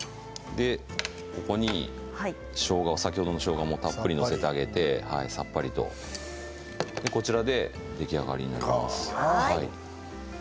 ここに先ほどのしょうがをたっぷり載せてあげてさっぱりとこちらで出来上がりです。